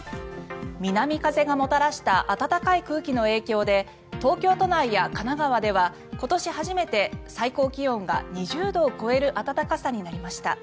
南風がもたらした暖かい空気の影響で東京都内や神奈川では今年初めて最高気温が２０度を超える暖かさになりました。